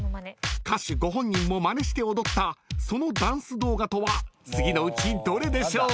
［歌手ご本人もまねして踊ったそのダンス動画とは次のうちどれでしょう？］